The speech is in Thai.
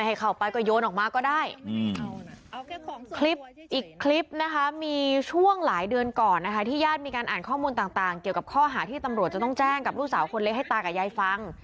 อีกคลิปนะครับมีช่วงหลายเดือนก่อนที่ญาติมีการอ่านข้อมูลต่างเกี่ยวกับข้อหาที่ต้องแจ้งกับลูกสาวคนเล็กให้ตากับยายฟัง